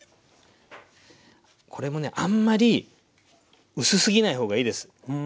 これもねあんまり薄すぎないほうがいいです。